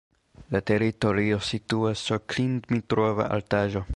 La teritorio situas sur Klin-Dmitrova altaĵo.